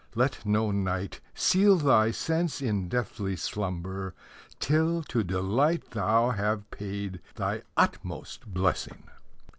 Let no night Seal thy sense in deathly slumber Till to delight Thou have paid thy utmost blessing.